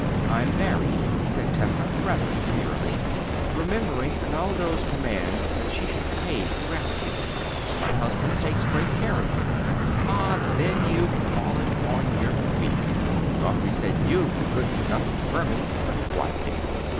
"I'm married," said Tessa, rather demurely, remembering Naldo's command that she should behave with gravity; "and my husband takes great care of me." "Ah, then, you've fallen on your feet! Nofri said you were good for nothing vermin; but what then?